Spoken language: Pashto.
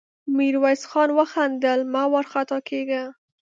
ميرويس خان وخندل: مه وارخطا کېږه!